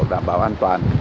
đảm bảo an toàn